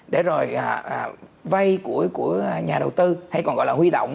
để rồi vay của nhà đầu tư hay còn gọi là huy động